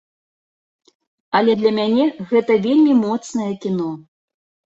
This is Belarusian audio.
Але для мяне гэта вельмі моцнае кіно.